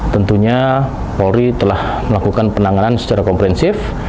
tentunya polri telah melakukan penanganan secara komprehensif